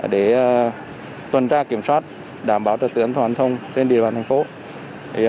để tuần tra kiểm soát đảm bảo trật tựa an toàn giao thông trên địa bàn tp hcm